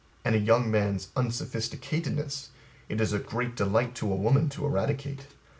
And A young man's unsophisticatedeness it is a great delight to a woman to eradicate.